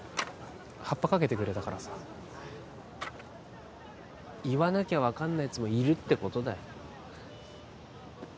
はっぱかけてくれたからさ言わなきゃ分かんないやつもいるってことだよ